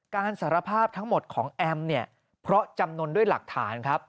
สารภาพทั้งหมดของแอมเนี่ยเพราะจำนวนด้วยหลักฐานครับ